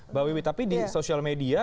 mbak wimik tapi di social media